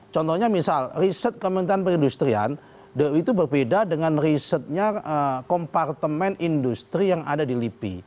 contohnya misal riset kementerian perindustrian itu berbeda dengan risetnya kompartemen industri yang ada di lipi